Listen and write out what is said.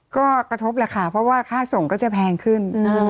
ก็กระทบแหละค่ะเพราะว่าค่าส่งก็จะแพงขึ้น